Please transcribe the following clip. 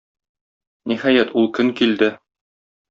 Ниһаять, ул көн килде.